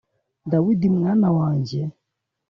Dawidi mwana wanjye